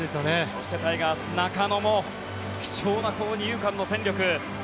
そしてタイガース、中野も貴重な二遊間の戦力。